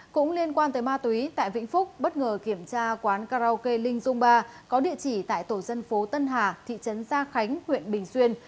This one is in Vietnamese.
cũng liên quan tới ma túy tại vĩnh phúc bất ngờ kiểm tra quán karaoke linh dung ba có địa chỉ tại tổ dân phố tân hà thị trấn gia khánh huyện bình xuyên